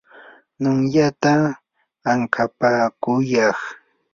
numyata ankapakuyay.